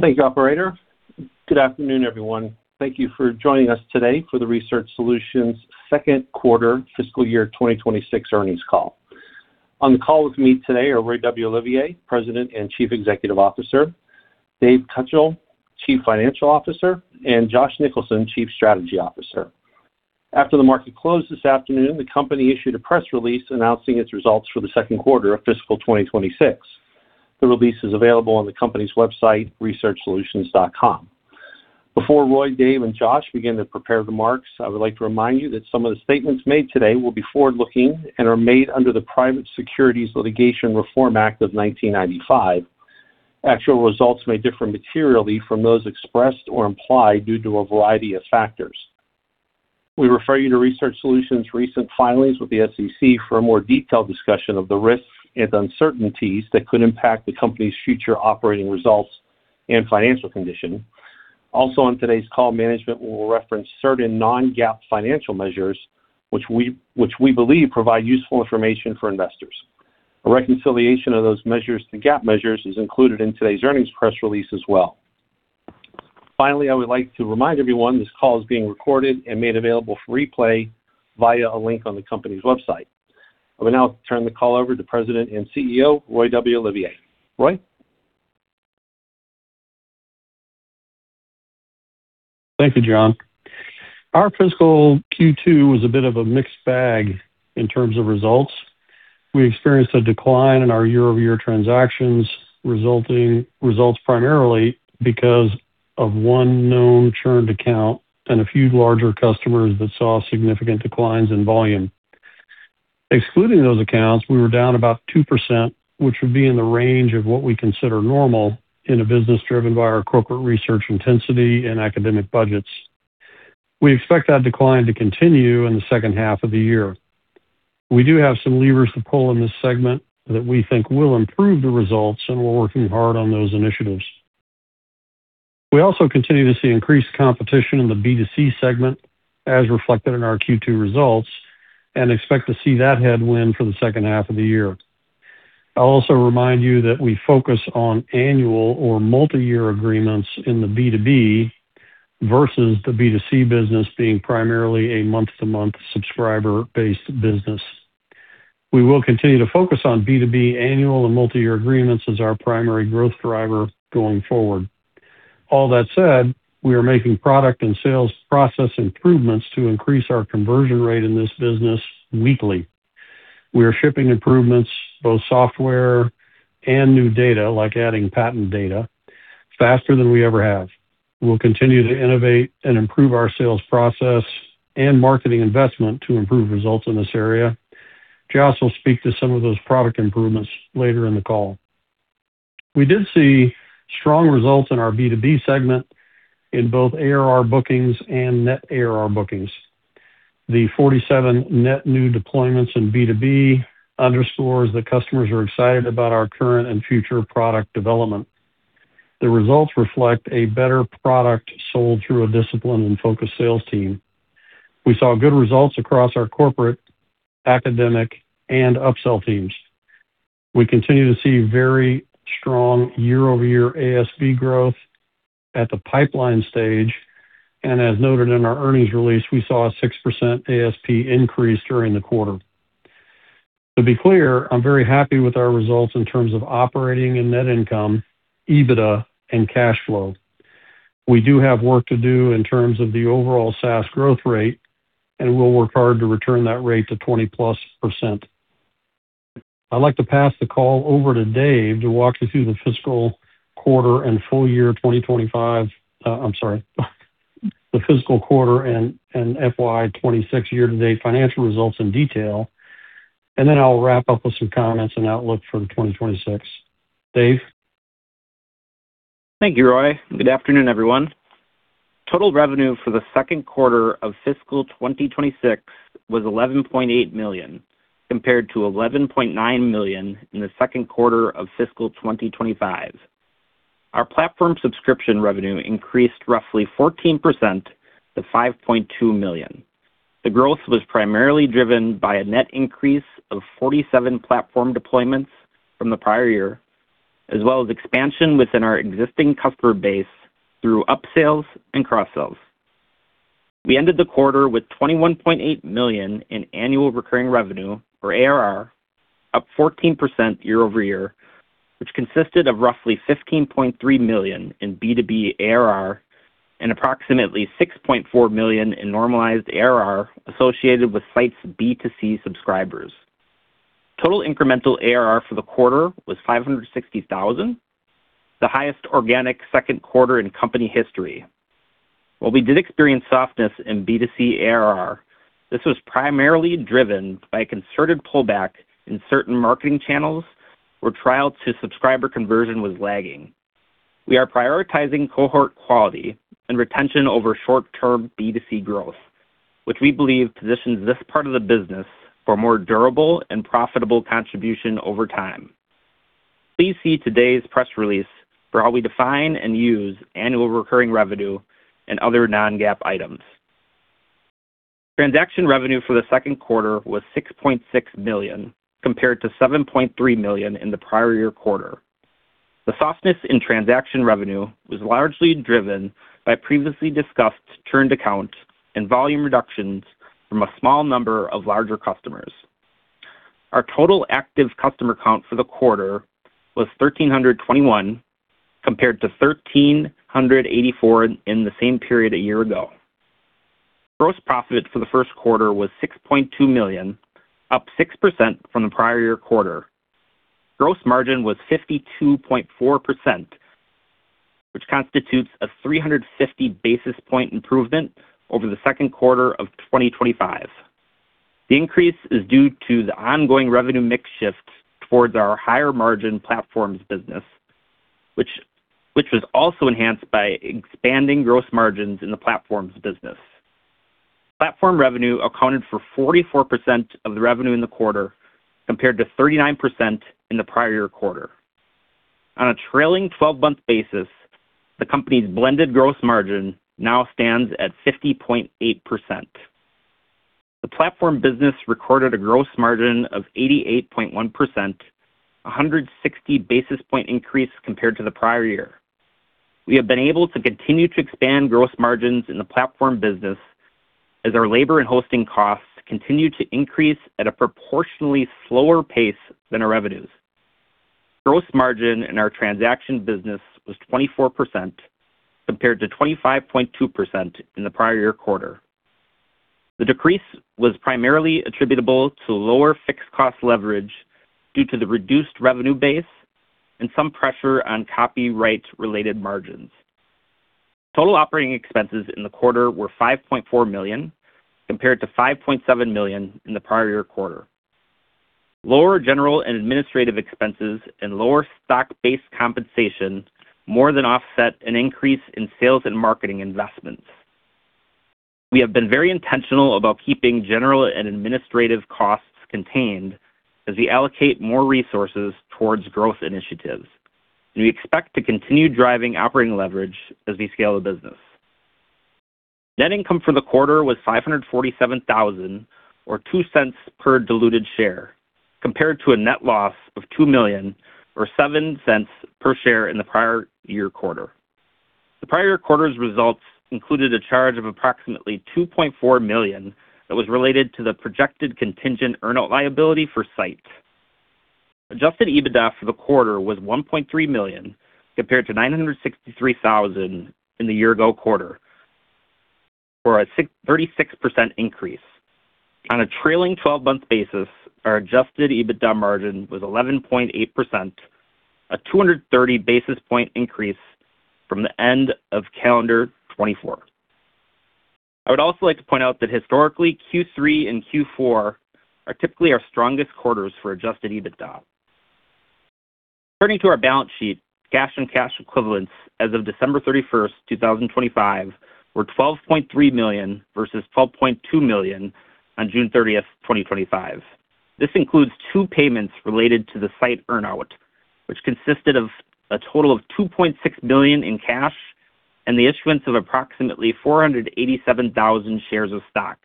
Thank you, operator. Good afternoon, everyone. Thank you for joining us today for the Research Solutions Second quarter fiscal year 2026 earnings call. On the call with me today are Roy W. Olivier, President and Chief Executive Officer, Dave Kutil, Chief Financial Officer, and Josh Nicholson, Chief Strategy Officer. After the market closed this afternoon, the company issued a press release announcing its results for the second quarter of fiscal 2026. The release is available on the company's website, researchsolutions.com. Before Roy, Dave, and Josh begin their prepared remarks, I would like to remind you that some of the statements made today will be forward-looking and are made under the Private Securities Litigation Reform Act of 1995. Actual results may differ materially from those expressed or implied due to a variety of factors. We refer you to Research Solutions' recent filings with the SEC for a more detailed discussion of the risks and uncertainties that could impact the company's future operating results and financial condition. Also, on today's call, management will reference certain non-GAAP financial measures, which we believe provide useful information for investors. A reconciliation of those measures to GAAP measures is included in today's earnings press release as well. Finally, I would like to remind everyone, this call is being recorded and made available for replay via a link on the company's website. I will now turn the call over to President and CEO, Roy W. Olivier. Roy? Thank you, John. Our fiscal Q2 was a bit of a mixed bag in terms of results. We experienced a decline in our year-over-year transactions, resulting in results primarily because of one known churned account and a few larger customers that saw significant declines in volume. Excluding those accounts, we were down about 2%, which would be in the range of what we consider normal in a business driven by our corporate research intensity and academic budgets. We expect that decline to continue in the second half of the year. We do have some levers to pull in this segment that we think will improve the results, and we're working hard on those initiatives. We also continue to see increased competition in the B2C segment, as reflected in our Q2 results, and expect to see that headwind for the second half of the year. I'll also remind you that we focus on annual or multiyear agreements in the B2B versus the B2C business being primarily a month-to-month subscriber-based business. We will continue to focus on B2B annual and multiyear agreements as our primary growth driver going forward. All that said, we are making product and sales process improvements to increase our conversion rate in this business weekly. We are shipping improvements, both software and new data, like adding patent data, faster than we ever have. We'll continue to innovate and improve our sales process and marketing investment to improve results in this area. Josh will speak to some of those product improvements later in the call. We did see strong results in our B2B segment in both ARR bookings and net ARR bookings. The 47 net new deployments in B2B underscores that customers are excited about our current and future product development. The results reflect a better product sold through a disciplined and focused sales team. We saw good results across our corporate, academic, and upsell teams. We continue to see very strong year-over-year ASV growth at the pipeline stage, and as noted in our earnings release, we saw a 6% ASP increase during the quarter. To be clear, I'm very happy with our results in terms of operating and net income, EBITDA, and cash flow. We do have work to do in terms of the overall SaaS growth rate, and we'll work hard to return that rate to 20%+. I'd like to pass the call over to Dave to walk you through the fiscal quarter and full year 2025... the fiscal quarter and FY 2026 year-to-date financial results in detail, and then I'll wrap up with some comments and outlook for 2026. Dave? Thank you, Roy. Good afternoon, everyone. Total revenue for the second quarter of fiscal 2026 was $11.8 million, compared to $11.9 million in the second quarter of fiscal 2025. Our platform subscription revenue increased roughly 14% to $5.2 million. The growth was primarily driven by a net increase of 47 platform deployments from the prior year, as well as expansion within our existing customer base through upsales and cross-sells. We ended the quarter with $21.8 million in annual recurring revenue, or ARR, up 14% year-over-year, which consisted of roughly $15.3 million in B2B ARR and approximately $6.4 million in normalized ARR associated with Scite's B2C subscribers. Total incremental ARR for the quarter was $560,000, the highest organic second quarter in company history. While we did experience softness in B2C ARR, this was primarily driven by a concerted pullback in certain marketing channels where trial to subscriber conversion was lagging. We are prioritizing cohort quality and retention over short-term B2C growth, which we believe positions this part of the business for more durable and profitable contribution over time. Please see today's press release for how we define and use annual recurring revenue and other non-GAAP items. Transaction revenue for the second quarter was $6.6 million, compared to $7.3 million in the prior year quarter. The softness in transaction revenue was largely driven by previously discussed churned accounts and volume reductions from a small number of larger customers. Our total active customer count for the quarter was 1,321, compared to 1,384 in the same period a year ago. Gross profit for the first quarter was $6.2 million, up 6% from the prior year quarter. Gross margin was 52.4%, which constitutes a 350 basis point improvement over the second quarter of 2025. The increase is due to the ongoing revenue mix shift towards our higher-margin platforms business, which was also enhanced by expanding gross margins in the platforms business. Platform revenue accounted for 44% of the revenue in the quarter, compared to 39% in the prior year quarter. On a trailing twelve-month basis, the company's blended gross margin now stands at 50.8%. The platform business recorded a gross margin of 88.1%, a 160 basis point increase compared to the prior year. We have been able to continue to expand gross margins in the platform business as our labor and hosting costs continue to increase at a proportionally slower pace than our revenues. Gross margin in our transaction business was 24%, compared to 25.2% in the prior year quarter. The decrease was primarily attributable to lower fixed cost leverage due to the reduced revenue base and some pressure on copyright-related margins. Total operating expenses in the quarter were $5.4 million, compared to $5.7 million in the prior year quarter. Lower general and administrative expenses and lower stock-based compensation more than offset an increase in sales and marketing investments. We have been very intentional about keeping general and administrative costs contained as we allocate more resources towards growth initiatives, and we expect to continue driving operating leverage as we scale the business. Net income for the quarter was $547,000, or $0.02 per diluted share, compared to a net loss of $2 million, or $0.07 per share in the prior year quarter. The prior quarter's results included a charge of approximately $2.4 million that was related to the projected contingent earn-out liability for Scite. Adjusted EBITDA for the quarter was $1.3 million, compared to $963,000 in the year-ago quarter, for a 36% increase. On a trailing twelve-month basis, our adjusted EBITDA margin was 11.8%, a 230 basis point increase from the end of calendar 2024. I would also like to point out that historically, Q3 and Q4 are typically our strongest quarters for adjusted EBITDA. Turning to our balance sheet, cash and cash equivalents as of December 31st, 2025, were $12.3 million versus $12.2 million on June 30th, 2025. This includes two payments related to the Scite earn-out, which consisted of a total of $2.6 million in cash and the issuance of approximately 487,000 shares of stock.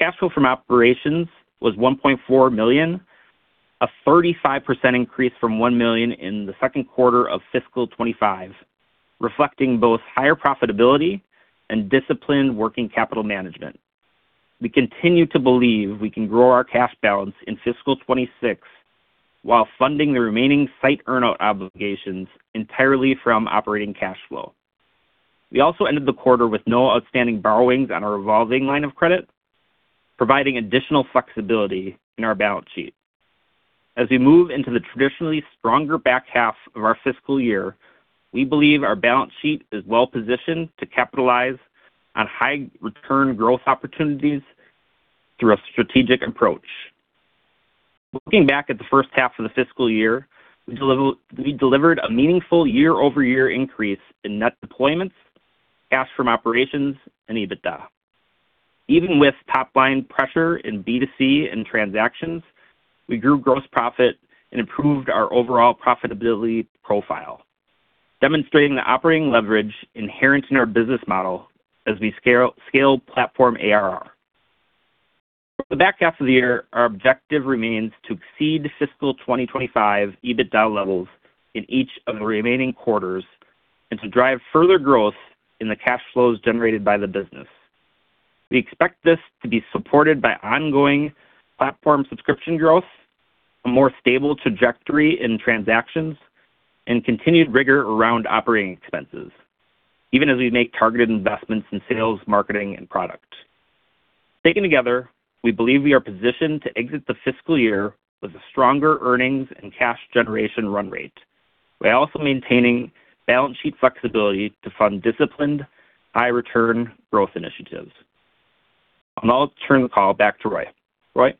Cash flow from operations was $1.4 million, a 35% increase from $1 million in the second quarter of fiscal 2025, reflecting both higher profitability and disciplined working capital management. We continue to believe we can grow our cash balance in fiscal 2026 while funding the remaining Scite earn-out obligations entirely from operating cash flow. We also ended the quarter with no outstanding borrowings on our revolving line of credit, providing additional flexibility in our balance sheet. As we move into the traditionally stronger back half of our fiscal year, we believe our balance sheet is well-positioned to capitalize on high return growth opportunities through a strategic approach. Looking back at the first half of the fiscal year, we delivered a meaningful year-over-year increase in net deployments, cash from operations, and EBITDA. Even with top-line pressure in B2C and transactions, we grew gross profit and improved our overall profitability profile, demonstrating the operating leverage inherent in our business model as we scale platform ARR. For the back half of the year, our objective remains to exceed fiscal 2025 EBITDA levels in each of the remaining quarters and to drive further growth in the cash flows generated by the business. We expect this to be supported by ongoing platform subscription growth, a more stable trajectory in transactions, and continued rigor around operating expenses, even as we make targeted investments in sales, marketing, and product. Taken together, we believe we are positioned to exit the fiscal year with a stronger earnings and cash generation run rate. We're also maintaining balance sheet flexibility to fund disciplined, high-return growth initiatives. And I'll turn the call back to Roy. Roy?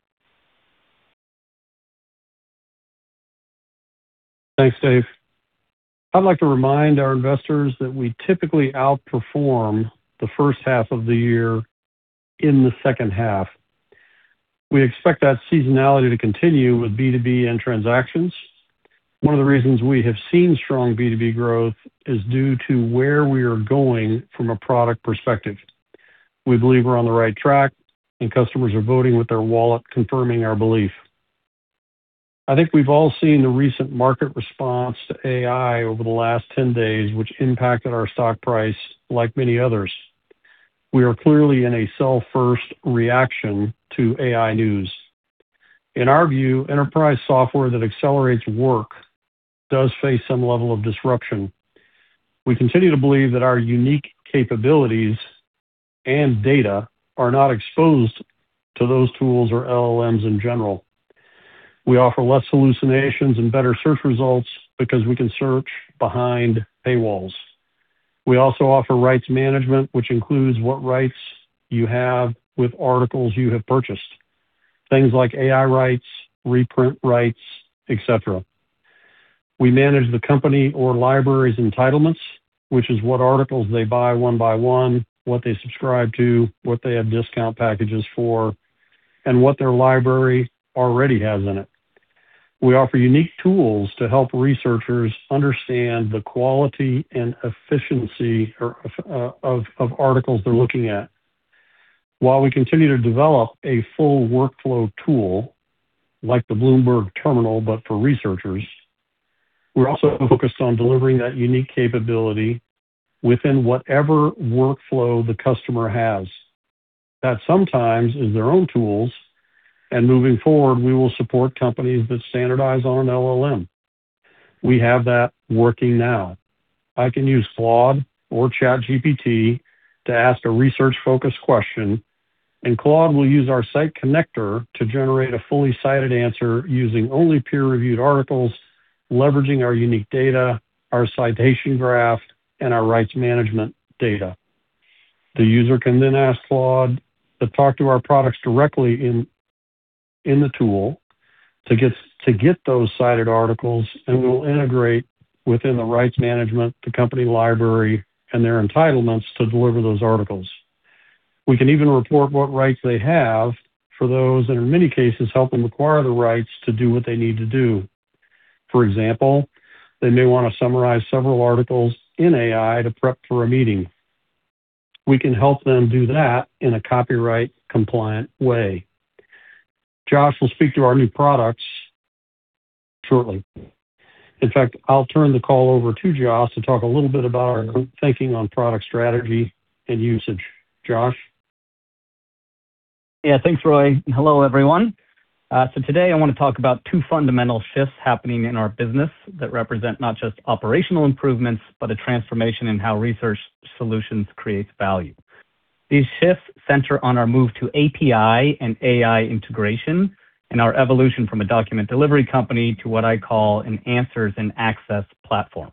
Thanks, Dave. I'd like to remind our investors that we typically outperform the first half of the year in the second half. We expect that seasonality to continue with B2B and transactions. One of the reasons we have seen strong B2B growth is due to where we are going from a product perspective. We believe we're on the right track, and customers are voting with their wallet, confirming our belief. I think we've all seen the recent market response to AI over the last 10 days, which impacted our stock price like many others. We are clearly in a sell first reaction to AI news. In our view, enterprise software that accelerates work does face some level of disruption. We continue to believe that our unique capabilities and data are not exposed to those tools or LLMs in general. We offer less hallucinations and better search results because we can search behind paywalls. We also offer rights management, which includes what rights you have with articles you have purchased. Things like AI rights, reprint rights, et cetera. We manage the company or library's entitlements, which is what articles they buy one by one, what they subscribe to, what they have discount packages for, and what their library already has in it. We offer unique tools to help researchers understand the quality and efficiency of articles they're looking at. While we continue to develop a full workflow tool like the Bloomberg terminal, but for researchers, we're also focused on delivering that unique capability within whatever workflow the customer has. That sometimes is their own tools, and moving forward, we will support companies that standardize on an LLM. We have that working now. I can use Claude or ChatGPT to ask a research-focused question, and Claude will use our Scite connector to generate a fully cited answer using only peer-reviewed articles, leveraging our unique data, our citation graph, and our rights management data. The user can then ask Claude to talk to our products directly in the tool to get those cited articles, and we'll integrate within the rights management, the company library, and their entitlements to deliver those articles. We can even report what rights they have for those, and in many cases, help them acquire the rights to do what they need to do. For example, they may want to summarize several articles in AI to prep for a meeting. We can help them do that in a copyright compliant way. Josh will speak to our new products shortly. In fact, I'll turn the call over to Josh to talk a little bit about our thinking on product strategy and usage. Josh? Yeah, thanks, Roy, and hello, everyone. So today I want to talk about two fundamental shifts happening in our business that represent not just operational improvements, but a transformation in how Research Solutions creates value. These shifts center on our move to API and AI integration and our evolution from a document delivery company to what I call an answers and access platform.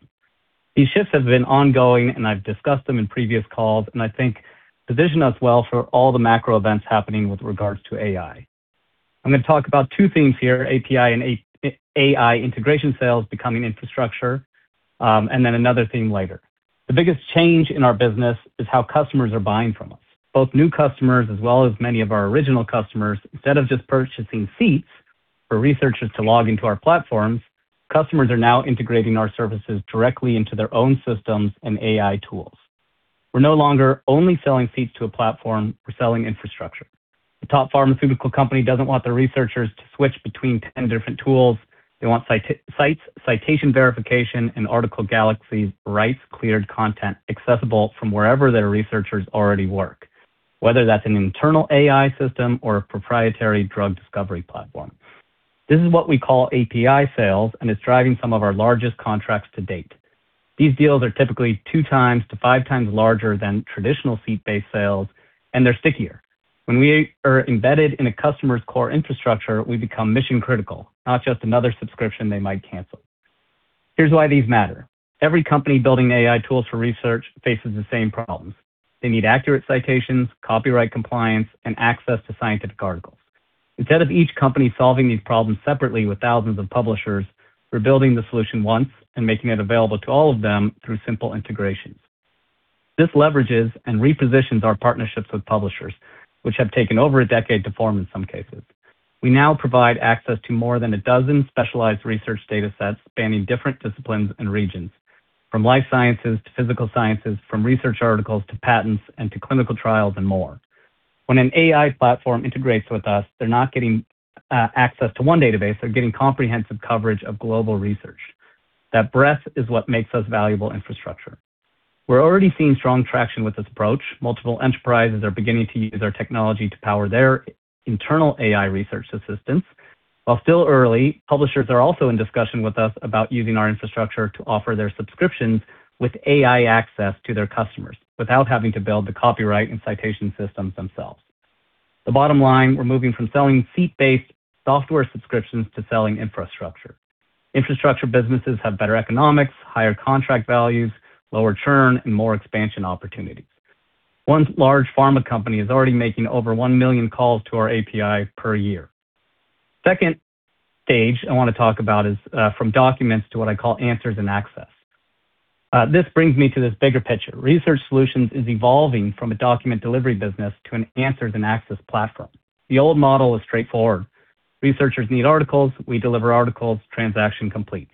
These shifts have been ongoing, and I've discussed them in previous calls, and I think position us well for all the macro events happening with regards to AI. I'm going to talk about two themes here: API and AI integration sales becoming infrastructure, and then another theme later. The biggest change in our business is how customers are buying from us. Both new customers as well as many of our original customers, instead of just purchasing seats for researchers to log into our platforms, customers are now integrating our services directly into their own systems and AI tools. We're no longer only selling seats to a platform, we're selling infrastructure. The top pharmaceutical company doesn't want their researchers to switch between 10 different tools. They want Scite, citation verification, and Article Galaxy's rights-cleared content accessible from wherever their researchers already work, whether that's an internal AI system or a proprietary drug discovery platform. This is what we call API sales, and it's driving some of our largest contracts to date. These deals are typically 2x-5x larger than traditional seat-based sales, and they're stickier. When we are embedded in a customer's core infrastructure, we become mission-critical, not just another subscription they might cancel. Here's why these matter: Every company building AI tools for research faces the same problems. They need accurate citations, copyright compliance, and access to scientific articles. Instead of each company solving these problems separately with thousands of publishers, we're building the solution once and making it available to all of them through simple integrations. This leverages and repositions our partnerships with publishers, which have taken over a decade to form in some cases. We now provide access to more than a dozen specialized research datasets spanning different disciplines and regions, from life sciences to physical sciences, from research articles to patents, and to clinical trials and more. When an AI platform integrates with us, they're not getting access to one database, they're getting comprehensive coverage of global research. That breadth is what makes us valuable infrastructure. We're already seeing strong traction with this approach. Multiple enterprises are beginning to use our technology to power their internal AI research assistants. While still early, publishers are also in discussion with us about using our infrastructure to offer their subscriptions with AI access to their customers, without having to build the copyright and citation systems themselves. The bottom line, we're moving from selling seat-based software subscriptions to selling infrastructure. Infrastructure businesses have better economics, higher contract values, lower churn, and more expansion opportunities. One large pharma company is already making over 1 million calls to our API per year. Second stage I want to talk about is, from documents to what I call answers and access. This brings me to this bigger picture. Research Solutions is evolving from a document delivery business to an answers and access platform. The old model is straightforward: researchers need articles, we deliver articles, transaction complete.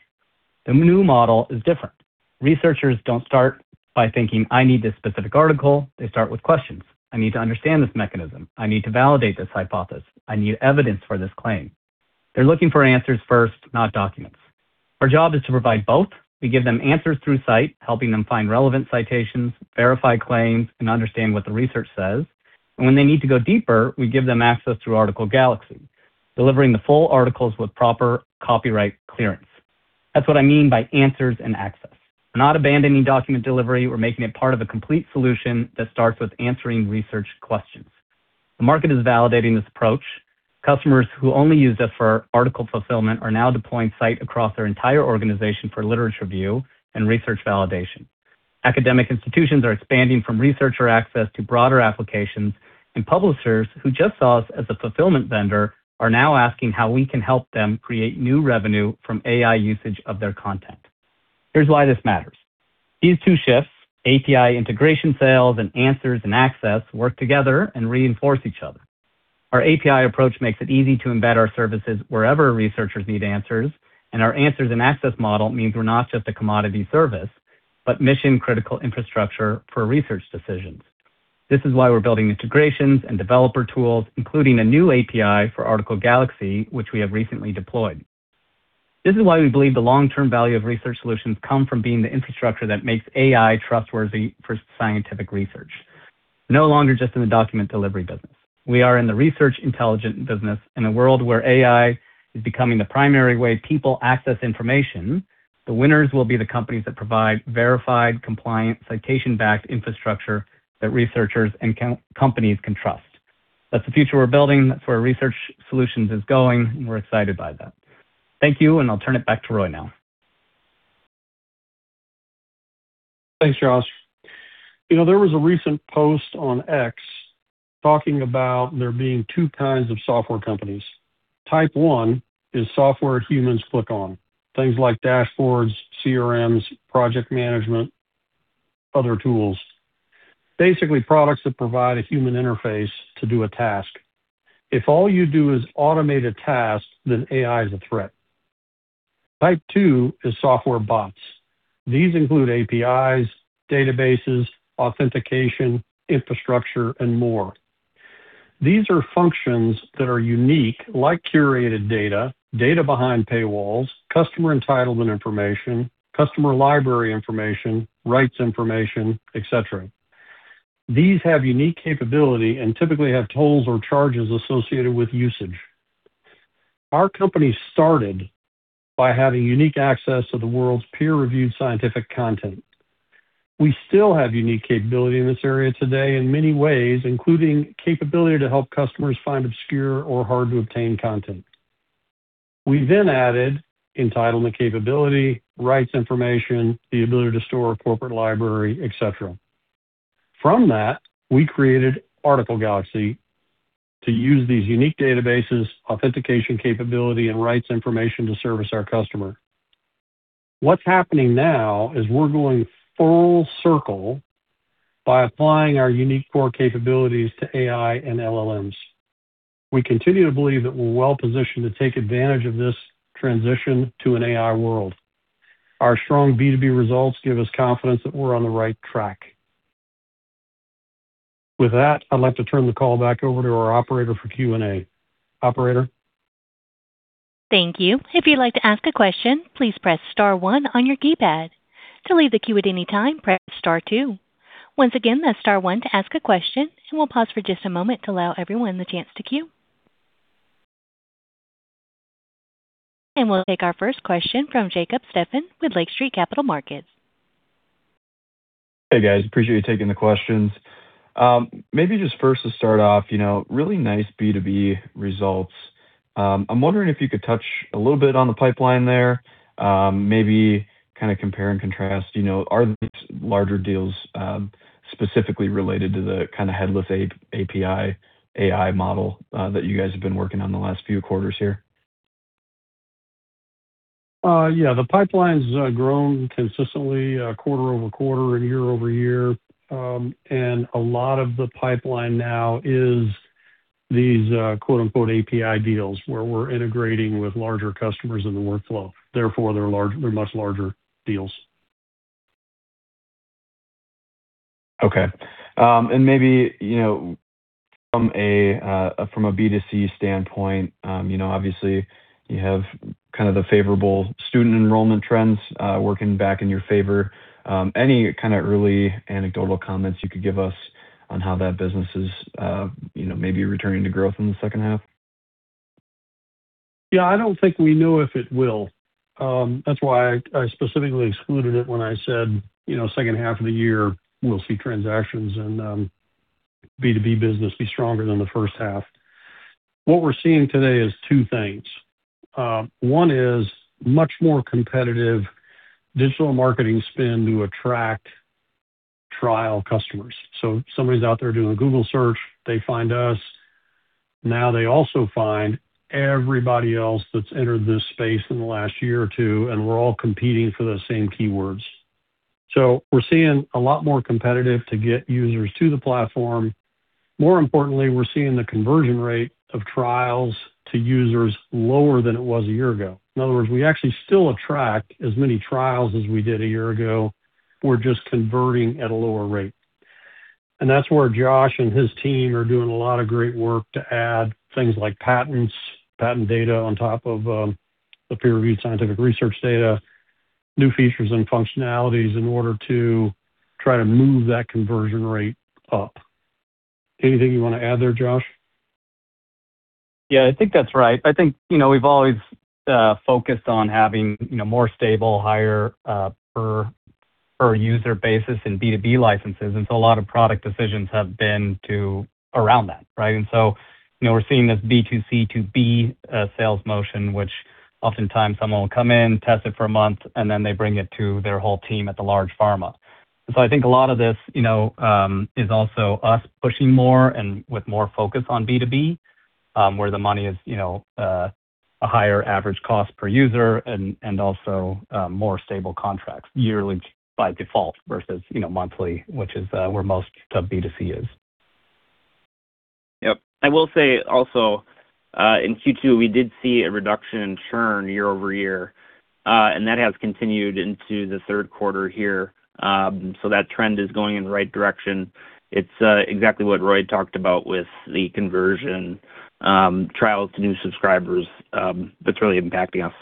The new model is different. Researchers don't start by thinking, "I need this specific article." They start with questions. I need to understand this mechanism. I need to validate this hypothesis. I need evidence for this claim. They're looking for answers first, not documents. Our job is to provide both. We give them answers through Scite, helping them find relevant citations, verify claims, and understand what the research says. And when they need to go deeper, we give them access through Article Galaxy, delivering the full articles with proper copyright clearance. That's what I mean by answers and access. We're not abandoning document delivery, we're making it part of a complete solution that starts with answering research questions. The market is validating this approach. Customers who only use us for article fulfillment are now deploying Scite across their entire organization for literature review and research validation. Academic institutions are expanding from researcher access to broader applications, and publishers who just saw us as a fulfillment vendor are now asking how we can help them create new revenue from AI usage of their content. Here's why this matters. These two shifts, API integration, sales, and answers and access, work together and reinforce each other. Our API approach makes it easy to embed our services wherever researchers need answers, and our answers and access model means we're not just a commodity service, but mission-critical infrastructure for research decisions. This is why we're building integrations and developer tools, including a new API for Article Galaxy, which we have recently deployed. This is why we believe the long-term value of Research Solutions come from being the infrastructure that makes AI trustworthy for scientific research. No longer just in the document delivery business. We are in the research intelligence business. In a world where AI is becoming the primary way people access information, the winners will be the companies that provide verified, compliant, citation-backed infrastructure that researchers and companies can trust. That's the future we're building. That's where Research Solutions is going, and we're excited by that. Thank you, and I'll turn it back to Roy now. Thanks, Josh. You know, there was a recent post on X talking about there being two kinds of software companies. Type one is software humans click on, things like dashboards, CRMs, project management, other tools. Basically, products that provide a human interface to do a task. If all you do is automate a task, then AI is a threat. Type two is software bots. These include APIs, databases, authentication, infrastructure, and more. These are functions that are unique, like curated data, data behind paywalls, customer entitlement information, customer library information, rights information, et cetera. These have unique capability and typically have tolls or charges associated with usage. Our company started by having unique access to the world's peer-reviewed scientific content. We still have unique capability in this area today in many ways, including capability to help customers find obscure or hard-to-obtain content. We then added entitlement capability, rights information, the ability to store a corporate library, et cetera. From that, we created Article Galaxy to use these unique databases, authentication capability, and rights information to service our customer. What's happening now is we're going full circle by applying our unique core capabilities to AI and LLMs. We continue to believe that we're well positioned to take advantage of this transition to an AI world. Our strong B2B results give us confidence that we're on the right track. With that, I'd like to turn the call back over to our operator for Q&A. Operator? Thank you. If you'd like to ask a question, please press star one on your keypad. To leave the queue at any time, press star two. Once again, that's star one to ask a question, and we'll pause for just a moment to allow everyone the chance to queue. We'll take our first question from Jacob Stephan with Lake Street Capital Markets. Hey, guys, appreciate you taking the questions. Maybe just first to start off, you know, really nice B2B results. I'm wondering if you could touch a little bit on the pipeline there. Maybe kind of compare and contrast, you know, are these larger deals, specifically related to the kind of headless API, AI model, that you guys have been working on the last few quarters here? Yeah, the pipeline's grown consistently quarter-over-quarter and year-over-year. And a lot of the pipeline now is these quote-unquote "API deals," where we're integrating with larger customers in the workflow, therefore they're much larger deals. Okay. And maybe, you know, from a B2C standpoint, you know, obviously you have kind of the favorable student enrollment trends working back in your favor. Any kind of early anecdotal comments you could give us on how that business is, you know, maybe returning to growth in the second half? Yeah, I don't think we know if it will. That's why I specifically excluded it when I said, you know, second half of the year, we'll see transactions and B2B business be stronger than the first half. What we're seeing today is two things: one is much more competitive digital marketing spend to attract trial customers. So somebody's out there doing a Google search, they find us. Now they also find everybody else that's entered this space in the last year or two, and we're all competing for those same keywords. So we're seeing a lot more competitive to get users to the platform. More importantly, we're seeing the conversion rate of trials to users lower than it was a year ago. In other words, we actually still attract as many trials as we did a year ago. We're just converting at a lower rate. That's where Josh and his team are doing a lot of great work to add things like patents, patent data on top of the peer-reviewed scientific research data, new features, and functionalities in order to try to move that conversion rate up. Anything you want to add there, Josh? Yeah, I think that's right. I think, you know, we've always focused on having, you know, more stable, higher per user basis in B2B licenses, and so a lot of product decisions have been to around that, right? And so, you know, we're seeing this B2C to B2B sales motion, which oftentimes someone will come in and test it for a month, and then they bring it to their whole team at the large pharma. So I think a lot of this, you know, is also us pushing more and with more focus on B2B, where the money is, you know, a higher average cost per user and also more stable contracts yearly by default, versus, you know, monthly, which is where most of B2C is. Yep. I will say also, in Q2, we did see a reduction in churn year-over-year, and that has continued into the third quarter here. So that trend is going in the right direction. It's exactly what Roy talked about with the conversion, trials to new subscribers, that's really impacting us.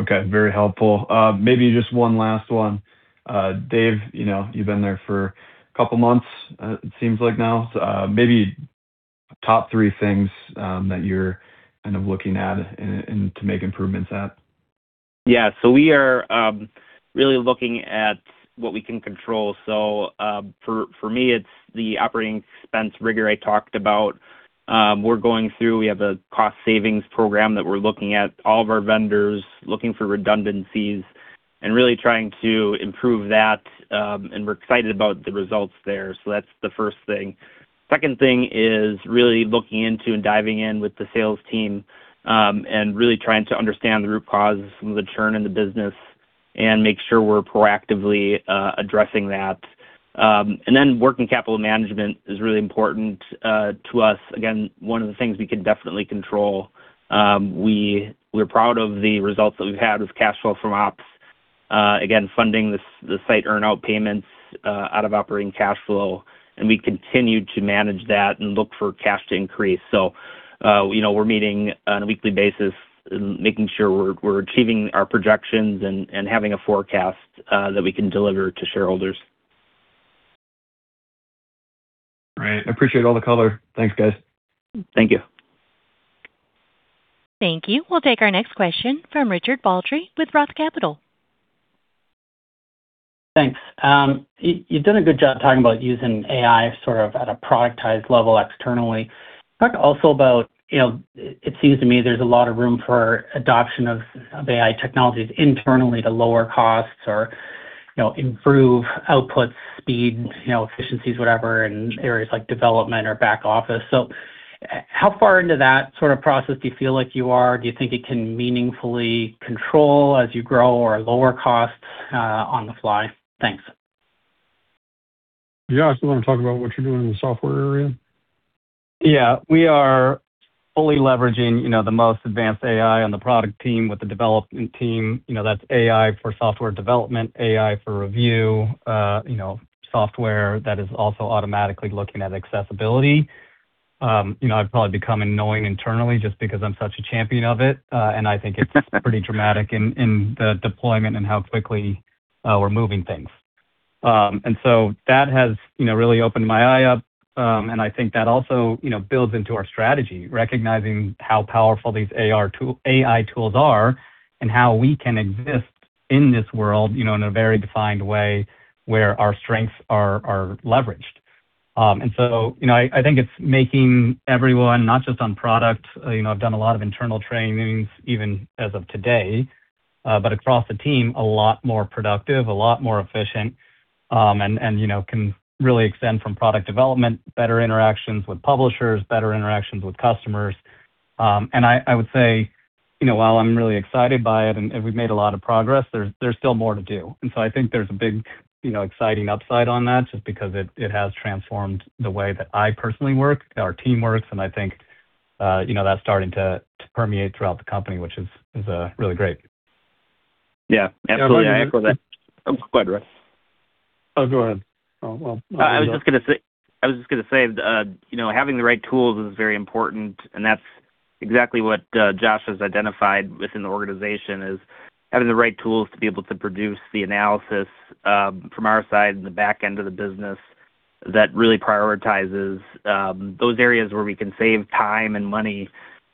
Okay, very helpful. Maybe just one last one. Dave, you know, you've been there for a couple of months. It seems like now. So, maybe top three things that you're kind of looking at and to make improvements at. Yeah. So we are really looking at what we can control. So, for me, it's the operating expense rigor I talked about. We're going through. We have a cost savings program that we're looking at all of our vendors, looking for redundancies and really trying to improve that, and we're excited about the results there. So that's the first thing. Second thing is really looking into and diving in with the sales team, and really trying to understand the root causes of the churn in the business and make sure we're proactively addressing that. And then working capital management is really important to us. Again, one of the things we can definitely control. We're proud of the results that we've had with cash flow from ops. Again, funding the Scite earn out payments out of operating cash flow, and we continue to manage that and look for cash to increase. So, you know, we're meeting on a weekly basis, making sure we're achieving our projections and having a forecast that we can deliver to shareholders. Great. I appreciate all the color. Thanks, guys. Thank you. Thank you. We'll take our next question from Richard Baldry with Roth Capital. Thanks. You've done a good job talking about using AI sort of at a productized level externally. Talk also about, you know, it seems to me there's a lot of room for adoption of AI technologies internally to lower costs or, you know, improve output, speed, you know, efficiencies, whatever, in areas like development or back office. So how far into that sort of process do you feel like you are? Do you think it can meaningfully control as you grow or lower costs on the fly? Thanks. Josh, do you want to talk about what you're doing in the software area? Yeah. We are fully leveraging, you know, the most advanced AI on the product team with the development team. You know, that's AI for software development, AI for review, you know, software that is also automatically looking at accessibility. You know, I've probably become annoying internally just because I'm such a champion of it, and I think it's pretty dramatic in the deployment and how quickly we're moving things. And so that has, you know, really opened my eye up. And I think that also, you know, builds into our strategy, recognizing how powerful these AI tools are and how we can exist in this world, you know, in a very defined way, where our strengths are leveraged. And so, you know, I, I think it's making everyone, not just on product, you know, I've done a lot of internal trainings even as of today, but across the team, a lot more productive, a lot more efficient, and, and, you know, can really extend from product development, better interactions with publishers, better interactions with customers. And I, I would say, you know, while I'm really excited by it and, and we've made a lot of progress, there's, there's still more to do. And so I think there's a big, you know, exciting upside on that, just because it, it has transformed the way that I personally work, our team works, and I think, you know, that's starting to, to permeate throughout the company, which is, is, really great. Yeah, absolutely. I echo that. Go ahead, Roy. Oh, go ahead. Oh, well- I was just gonna say, you know, having the right tools is very important, and that's exactly what Josh has identified within the organization, is having the right tools to be able to produce the analysis from our side, the back end of the business, that really prioritizes those areas where we can save time and money.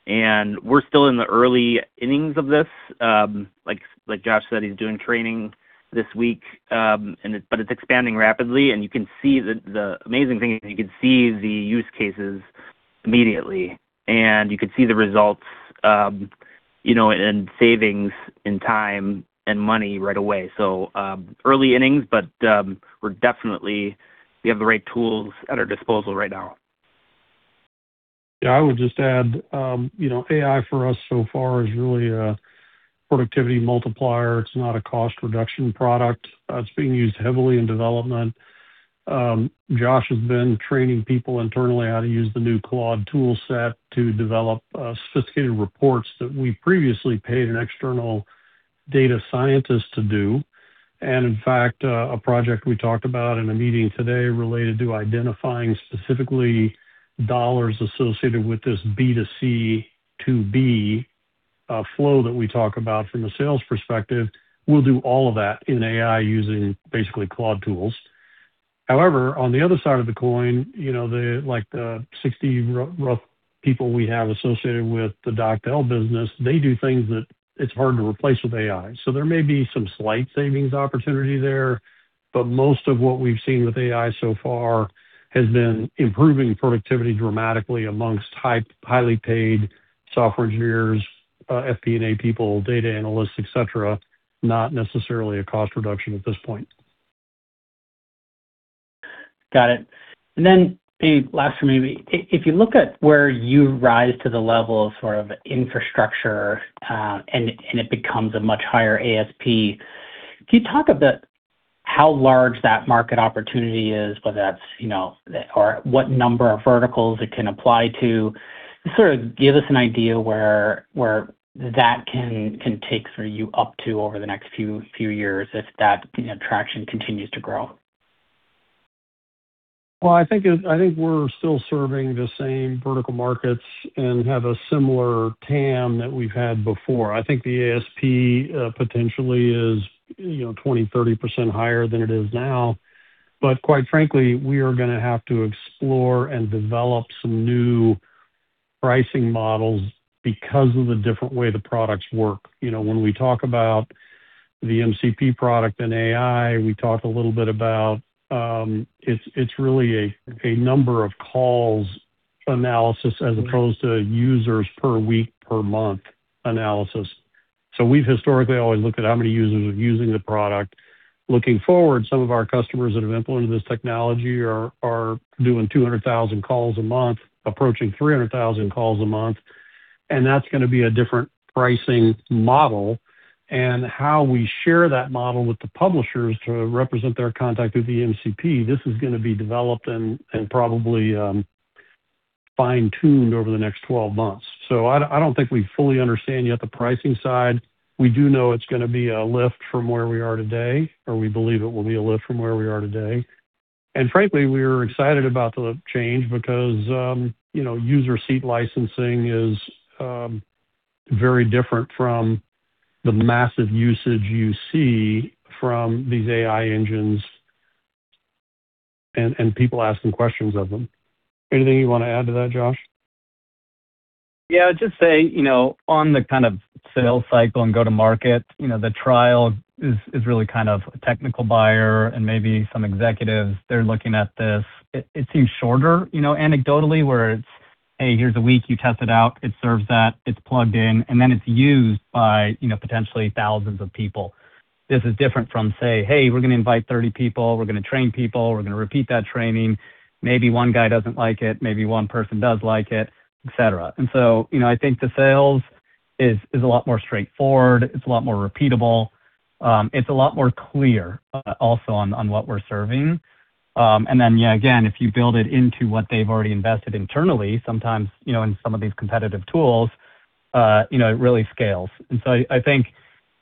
And we're still in the early innings of this. Like Josh said, he's doing training this week, and but it's expanding rapidly, and you can see the amazing thing is you can see the use cases immediately, and you can see the results you know, and savings in time and money right away. So, early innings, but, we're definitely, we have the right tools at our disposal right now. Yeah, I would just add, you know, AI for us so far is really a productivity multiplier. It's not a cost reduction product. It's being used heavily in development. Josh has been training people internally how to use the new Claude tool set to develop, sophisticated reports that we previously paid an external data scientist to do. And in fact, a project we talked about in a meeting today related to identifying specifically dollars associated with this B2C to B2B, flow that we talk about from a sales perspective, we'll do all of that in AI using basically Claude tools. However, on the other side of the coin, you know, the, like, the roughly 60 people we have associated with the DocDel business, they do things that it's hard to replace with AI. So there may be some slight savings opportunity there, but most of what we've seen with AI so far has been improving productivity dramatically amongst highly paid software engineers, FP&A people, data analysts, et cetera, not necessarily a cost reduction at this point. Got it. And then a last one maybe. If you look at where you rise to the level of sort of infrastructure, and it becomes a much higher ASP, can you talk about how large that market opportunity is, whether that's, you know, or what number of verticals it can apply to? Just sort of give us an idea where that can take for you up to over the next few years if that, you know, traction continues to grow. Well, I think we're still serving the same vertical markets and have a similar TAM that we've had before. I think the ASP potentially is, you know, 20%-30% higher than it is now. But quite frankly, we are gonna have to explore and develop some new pricing models because of the different way the products work. You know, when we talk about the LLM product and AI, we talk a little bit about, it's really a number of calls analysis as opposed to users per week, per month analysis. So we've historically always looked at how many users are using the product. Looking forward, some of our customers that have implemented this technology are doing 200,000 calls a month, approaching 300,000 calls a month, and that's gonna be a different pricing model. And how we share that model with the publishers to represent their content through the LLM, this is gonna be developed and probably fine-tuned over the next 12 months. So I don't think we fully understand yet the pricing side. We do know it's gonna be a lift from where we are today, or we believe it will be a lift from where we are today. And frankly, we are excited about the change because, you know, user seat licensing is very different from the massive usage you see from these AI engines and people asking questions of them. Anything you wanna add to that, Josh? Yeah, I'd just say, you know, on the kind of sales cycle and go-to-market, you know, the trial is really kind of a technical buyer and maybe some executives. They're looking at this. It seems shorter, you know, anecdotally, where it's, "Hey, here's a week. You test it out." It serves that, it's plugged in, and then it's used by, you know, potentially thousands of people. This is different from say, "Hey, we're gonna invite 30 people. We're gonna train people. We're gonna repeat that training. Maybe one guy doesn't like it, maybe one person does like it," et cetera. And so, you know, I think the sales is a lot more straightforward. It's a lot more repeatable. It's a lot more clear, also on what we're serving. And then, yeah, again, if you build it into what they've already invested internally, sometimes, you know, in some of these competitive tools, you know, it really scales. And so I think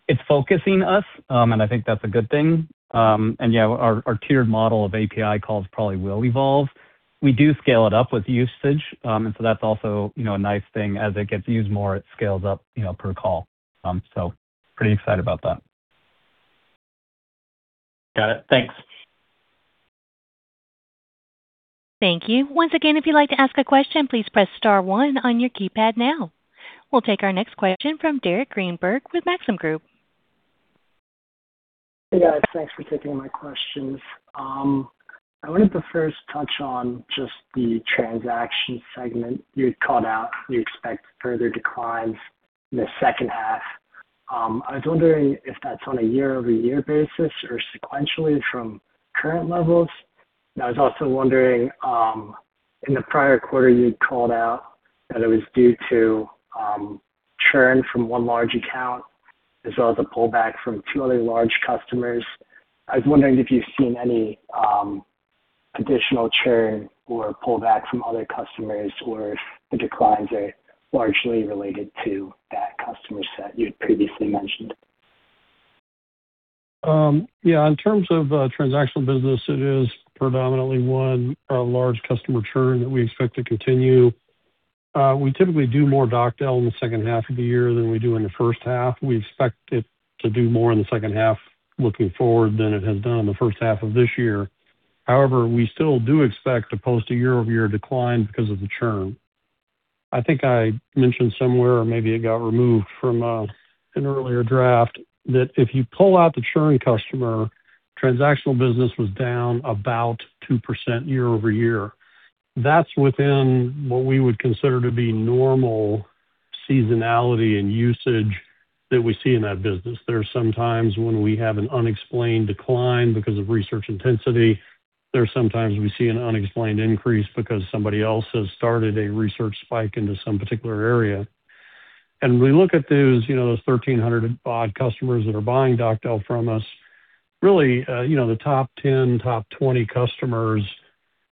it's focusing us, and I think that's a good thing. And yeah, our tiered model of API calls probably will evolve. We do scale it up with usage, and so that's also, you know, a nice thing. As it gets used more, it scales up, you know, per call. So pretty excited about that. Got it. Thanks. Thank you. Once again, if you'd like to ask a question, please press star one on your keypad now. We'll take our next question from Derek Greenberg with Maxim Group. Hey, guys. Thanks for taking my questions. I wanted to first touch on just the transaction segment. You'd called out you expect further declines in the second half. I was wondering if that's on a year-over-year basis or sequentially from current levels? And I was also wondering, in the prior quarter, you'd called out that it was due to, churn from one large account, as well as a pullback from two other large customers. I was wondering if you've seen any, additional churn or pullback from other customers, or if the declines are largely related to that customer set you'd previously mentioned. Yeah, in terms of transactional business, it is predominantly one large customer churn that we expect to continue. We typically do more DocDel in the second half of the year than we do in the first half. We expect it to do more in the second half looking forward than it has done in the first half of this year. However, we still do expect to post a year-over-year decline because of the churn. I think I mentioned somewhere, or maybe it got removed from an earlier draft, that if you pull out the churn customer, transactional business was down about 2% year-over-year. That's within what we would consider to be normal seasonality and usage that we see in that business. There are some times when we have an unexplained decline because of research intensity. There are sometimes we see an unexplained increase because somebody else has started a research spike into some particular area. We look at those, you know, those 1,300-odd customers that are buying DocDel from us. Really, you know, the top 10, top 20 customers,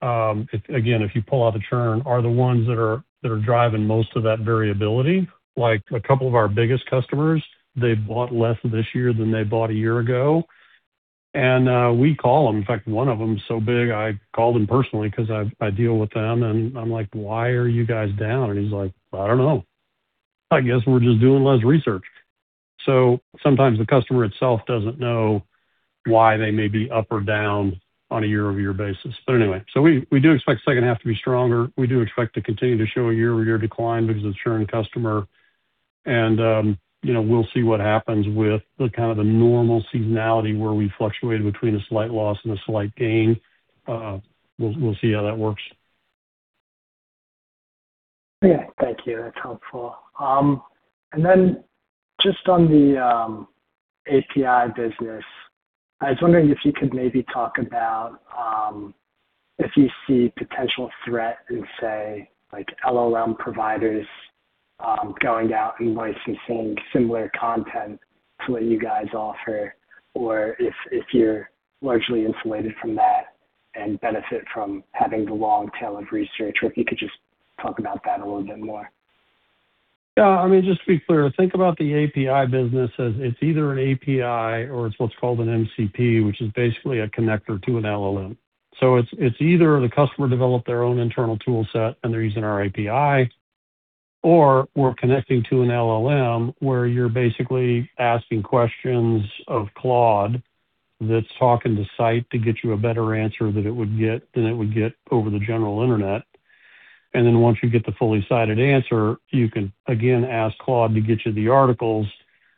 again, if you pull out the churn, are the ones that are, that are driving most of that variability. Like a couple of our biggest customers, they bought less this year than they bought a year ago, and we call them. In fact, one of them is so big, I called him personally because I, I deal with them, and I'm like: "Why are you guys down?" And he's like: "I don't know. I guess we're just doing less research." Sometimes the customer itself doesn't know why they may be up or down on a year-over-year basis. But anyway, so we do expect the second half to be stronger. We do expect to continue to show a year-over-year decline because of the churn customer and, you know, we'll see what happens with the kind of the normal seasonality where we fluctuate between a slight loss and a slight gain. We'll see how that works. Yeah, thank you. That's helpful. And then just on the API business, I was wondering if you could maybe talk about if you see potential threat in, say, like LLM providers going out and licensing similar content to what you guys offer, or if you're largely insulated from that and benefit from having the long tail of research, or if you could just talk about that a little bit more. Yeah, I mean, just to be clear, think about the API business as it's either an API or it's what's called an MCP, which is basically a connector to an LLM. So it's, it's either the customer developed their own internal toolset and they're using our API, or we're connecting to an LLM, where you're basically asking questions of Claude that's talking to Scite to get you a better answer than it would get, than it would get over the general Internet. And then once you get the fully cited answer, you can again ask Claude to get you the articles,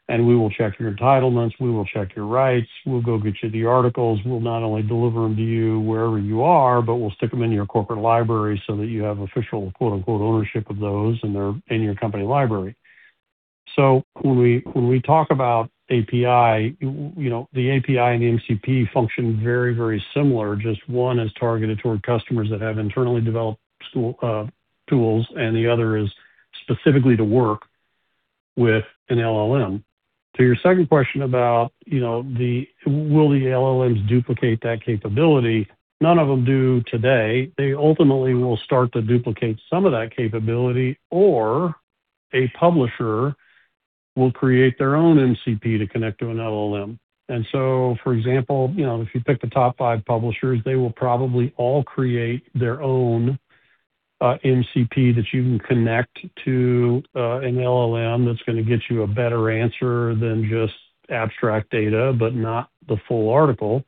and we will check your entitlements, we will check your rights. We'll go get you the articles. We'll not only deliver them to you wherever you are, but we'll stick them in your corporate library so that you have official quote-unquote, "ownership" of those, and they're in your company library. So when we talk about API, you know, the API and the MCP function very, very similar. Just one is targeted toward customers that have internally developed tools, and the other is specifically to work with an LLM. To your second question about, you know, the will the LLMs duplicate that capability? None of them do today. They ultimately will start to duplicate some of that capability, or a publisher will create their own MCP to connect to an LLM. And so, for example, you know, if you pick the top five publishers, they will probably all create their own MCP that you can connect to an LLM that's going to get you a better answer than just abstract data, but not the full article.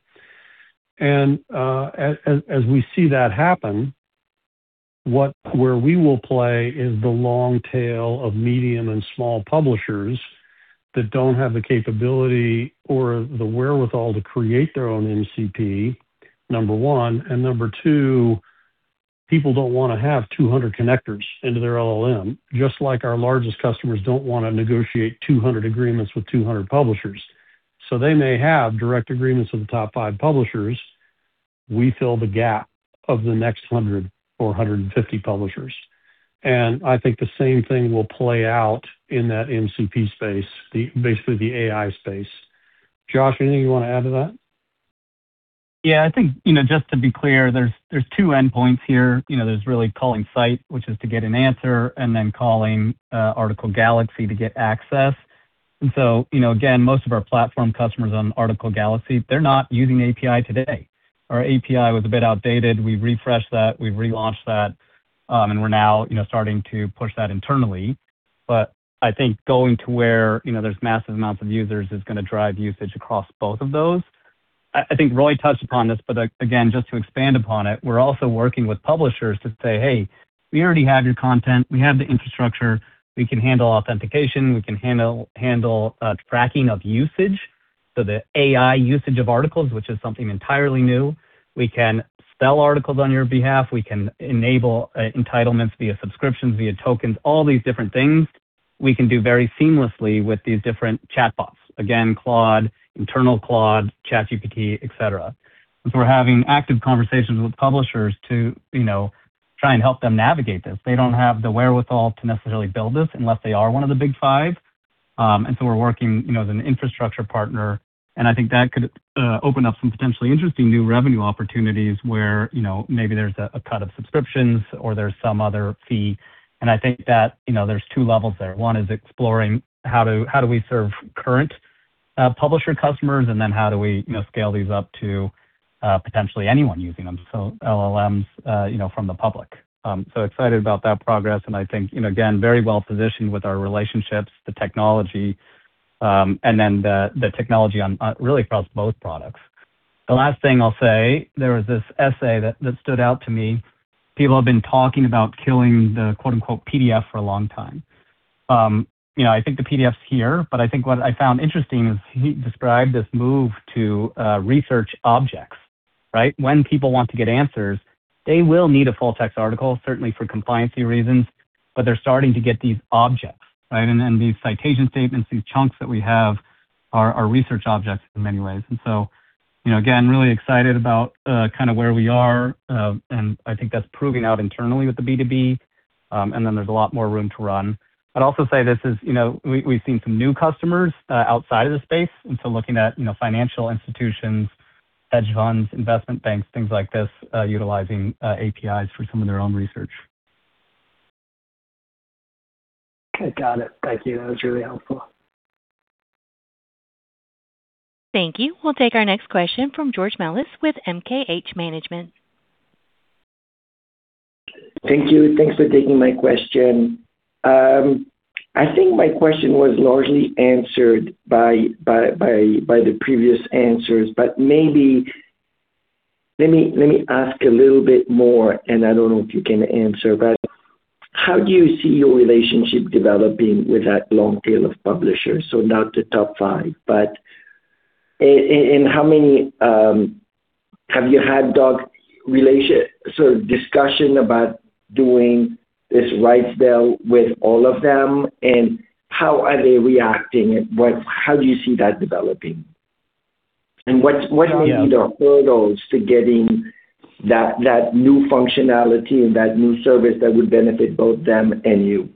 And as we see that happen, where we will play is the long tail of medium and small publishers that don't have the capability or the wherewithal to create their own MCP, number one. And number two, people don't want to have 200 connectors into their LLM, just like our largest customers don't want to negotiate 200 agreements with 200 publishers. So they may have direct agreements with the top five publishers. We fill the gap of the next 100 or 150 publishers, and I think the same thing will play out in that MCP space, the, basically the AI space. Josh, anything you want to add to that? Yeah, I think, you know, just to be clear, there's two endpoints here. You know, there's really calling Scite, which is to get an answer and then calling Article Galaxy to get access. And so, you know, again, most of our platform customers on Article Galaxy, they're not using API today. Our API was a bit outdated. We've refreshed that, we've relaunched that, and we're now, you know, starting to push that internally. But I think going to where, you know, there's massive amounts of users is going to drive usage across both of those. I think Roy touched upon this, but again, just to expand upon it, we're also working with publishers to say, "Hey, we already have your content. We have the infrastructure. We can handle authentication, we can handle tracking of usage." So the AI usage of articles, which is something entirely new. We can sell articles on your behalf. We can enable entitlements via subscriptions, via tokens, all these different things we can do very seamlessly with these different chatbots. Again, Claude, internal Claude, ChatGPT, et cetera. And so we're having active conversations with publishers to, you know, try and help them navigate this. They don't have the wherewithal to necessarily build this unless they are one of the Big Five. And so we're working, you know, as an infrastructure partner, and I think that could open up some potentially interesting new revenue opportunities where, you know, maybe there's a cut of subscriptions or there's some other fee. And I think that, you know, there's two levels there. One is exploring how we serve current publisher customers, and then how do we, you know, scale these up to potentially anyone using them, so LLMs, you know, from the public. So excited about that progress. And I think, you know, again, very well positioned with our relationships, the technology, and then the technology on really across both products. The last thing I'll say, there was this essay that stood out to me. People have been talking about killing the quote-unquote, "PDF" for a long time. You know, I think the PDF's here, but I think what I found interesting is he described this move to research objects, right? When people want to get answers, they will need a full text article, certainly for compliance reasons, but they're starting to get these objects, right? And then these citation statements, these chunks that we have, are research objects in many ways. And so, you know, again, really excited about kind of where we are. And I think that's proving out internally with the B2B, and then there's a lot more room to run. I'd also say this is, you know, we, we've seen some new customers outside of the space, and so looking at, you know, financial institutions, hedge funds, investment banks, things like this, utilizing APIs for some of their own research. Okay, got it. Thank you. That was really helpful. Thank you. We'll take our next question from George Melis with MKH Management. Thank you. Thanks for taking my question. I think my question was largely answered by the previous answers, but maybe let me ask a little bit more, and I don't know if you can answer. But how do you see your relationship developing with that long tail of publishers? So not the top five, but and how many have you had discussions about doing this rights deal with all of them, and how are they reacting, and what—how do you see that developing? And what may be the hurdles to getting that new functionality and that new service that would benefit both them and you?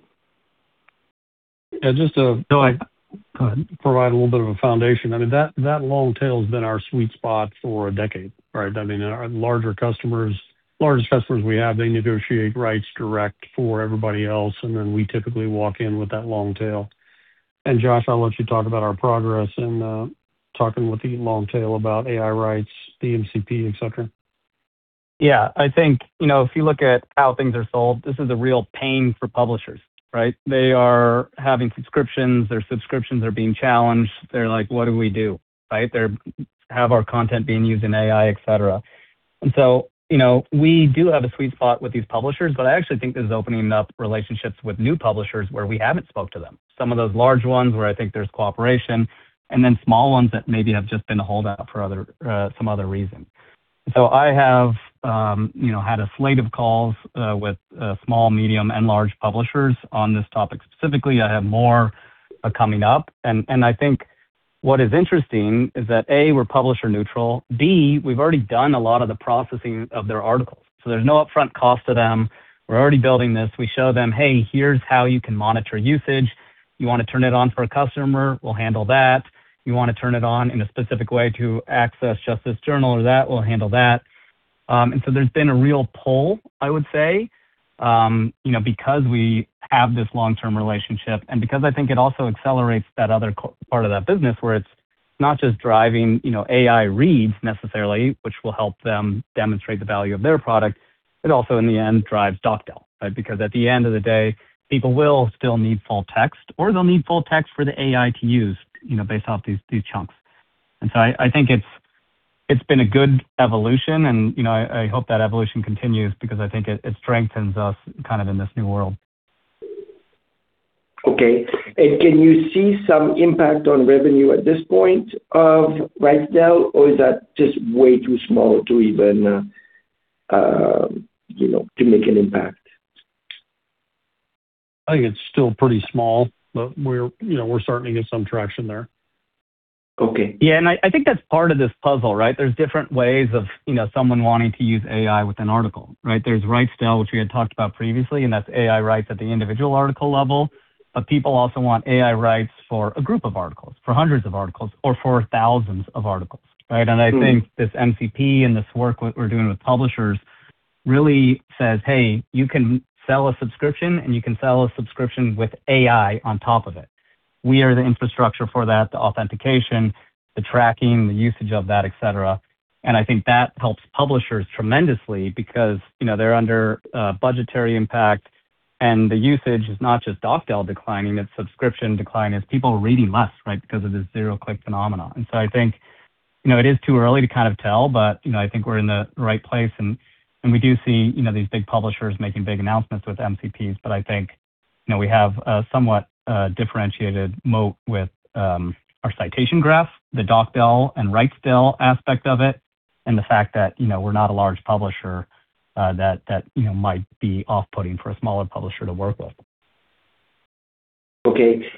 Yeah, just to, you know, provide a little bit of a foundation. I mean, that, that long tail has been our sweet spot for a decade, right? I mean, our larger customers, largest customers we have, they negotiate rights direct for everybody else, and then we typically walk in with that long tail. And Josh, I'll let you talk about our progress in talking with the long tail about AI rights, the MCP, et cetera. Yeah. I think, you know, if you look at how things are sold, this is a real pain for publishers, right? They are having subscriptions, their subscriptions are being challenged. They're like: What do we do, right? They have our content being used in AI, et cetera. And so, you know, we do have a sweet spot with these publishers, but I actually think this is opening up relationships with new publishers where we haven't spoke to them. Some of those large ones where I think there's cooperation, and then small ones that maybe have just been a holdout for other, some other reason. So I have, you know, had a slate of calls, with, small, medium, and large publishers on this topic. Specifically, I have more coming up, and I think what is interesting is that, A, we're publisher neutral, B, we've already done a lot of the processing of their articles, so there's no upfront cost to them. We're already building this. We show them: Hey, here's how you can monitor usage. You want to turn it on for a customer, we'll handle that. You want to turn it on in a specific way to access just this journal or that, we'll handle that. And so there's been a real pull, I would say, you know, because we have this long-term relationship and because I think it also accelerates that other part of that business where it's not just driving, you know, AI reads necessarily, which will help them demonstrate the value of their product, it also, in the end, drives DocDel. Right? Because at the end of the day, people will still need full text, or they'll need full text for the AI to use, you know, based off these chunks. So I think it's been a good evolution and, you know, I hope that evolution continues because I think it strengthens us kind of in this new world. Okay. And can you see some impact on revenue at this point of RightsDel, or is that just way too small to even, you know, to make an impact? I think it's still pretty small, but we're, you know, we're starting to get some traction there. Okay. Yeah, and I, I think that's part of this puzzle, right? There's different ways of, you know, someone wanting to use AI with an article, right? There's RightsDel, which we had talked about previously, and that's AI rights at the individual article level. But people also want AI rights for a group of articles, for hundreds of articles or for thousands of articles, right? And I think this MCP and this work we're doing with publishers really says, "Hey, you can sell a subscription, and you can sell a subscription with AI on top of it." We are the infrastructure for that, the authentication, the tracking, the usage of that, et cetera. And I think that helps publishers tremendously because, you know, they're under budgetary impact, and the usage is not just DocDel declining, it's subscription decline, is people are reading less, right, because of the zero-click phenomenon. And so I think, you know, it is too early to kind of tell, but, you know, I think we're in the right place, and we do see, you know, these big publishers making big announcements with MCPs. But I think, you know, we have a somewhat differentiated moat with our citation graph, the DocDel and RightsDel aspect of it, and the fact that, you know, we're not a large publisher that you know might be off-putting for a smaller publisher to work with. Okay.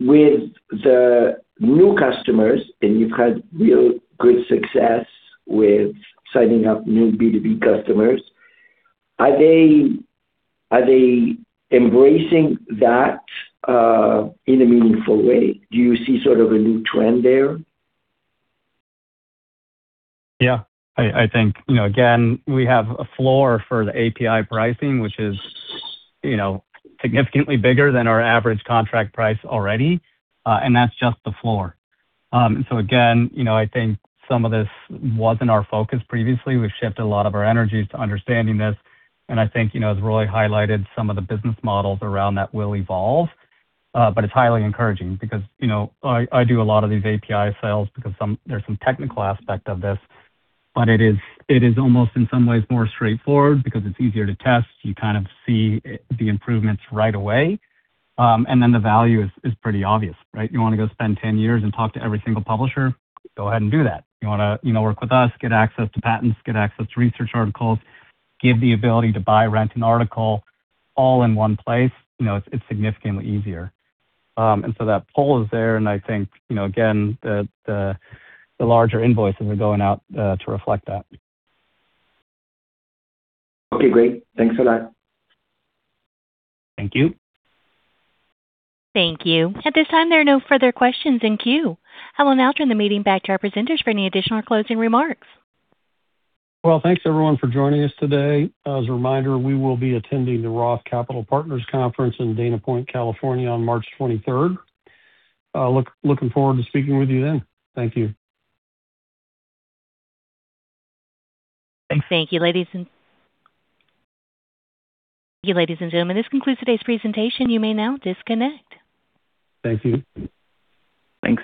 With the new customers, and you've had real good success with signing up new B2B customers, are they, are they embracing that, in a meaningful way? Do you see sort of a new trend there? Yeah, I think, you know, again, we have a floor for the API pricing, which is, you know, significantly bigger than our average contract price already, and that's just the floor. So again, you know, I think some of this wasn't our focus previously. We've shifted a lot of our energies to understanding this, and I think, you know, it's really highlighted some of the business models around that will evolve. But it's highly encouraging because, you know, I do a lot of these API sales because some—there's some technical aspect of this, but it is almost in some ways more straightforward because it's easier to test. You kind of see the improvements right away, and then the value is pretty obvious, right? You want to go spend 10 years and talk to every single publisher? Go ahead and do that. You want to, you know, work with us, get access to patents, get access to research articles, give the ability to buy, rent an article all in one place, you know, it's significantly easier. And so that pull is there, and I think, you know, again, the larger invoices are going out to reflect that. Okay, great. Thanks a lot. Thank you. Thank you. At this time, there are no further questions in queue. I will now turn the meeting back to our presenters for any additional closing remarks. Well, thanks, everyone, for joining us today. As a reminder, we will be attending the ROTH Capital Partners Conference in Dana Point, California, on March 23rd. Looking forward to speaking with you then. Thank you. Thanks. Thank you, ladies and gentlemen, this concludes today's presentation. You may now disconnect. Thank you. Thanks.